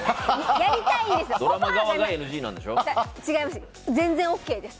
やりたいんですよ！